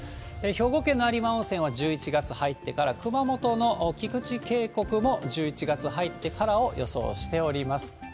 兵庫県の有馬温泉は１１月入ってから、熊本の菊池渓谷も１１月入ってからを予想しております。